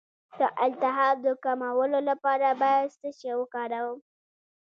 د التهاب د کمولو لپاره باید څه شی وکاروم؟